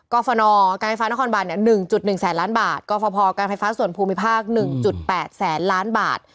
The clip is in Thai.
ฟนการไฟฟ้านครบาน๑๑แสนล้านบาทกรฟภการไฟฟ้าส่วนภูมิภาค๑๘แสนล้านบาท